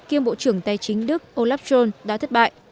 kiêm bộ trưởng tài chính đức olaf scholz đã thất bại